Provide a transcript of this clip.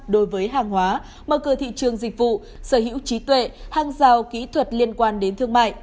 đối với hàng hóa mở cửa thị trường dịch vụ sở hữu trí tuệ hàng giao kỹ thuật liên quan đến thương mại